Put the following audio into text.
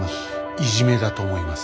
いじめだと思います。